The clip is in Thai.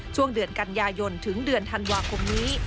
ช่วงเดือนกันยายนถึงเดือนธันวาคมนี้